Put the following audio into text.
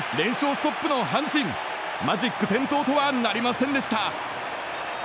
ストップの阪神マジック点灯とはなりませんでした。